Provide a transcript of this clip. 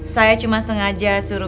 saya cuma sengaja suruh